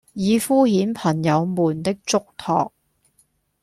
以敷衍朋友們的囑托，